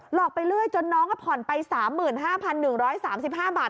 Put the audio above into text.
อกไปเรื่อยจนน้องผ่อนไป๓๕๑๓๕บาท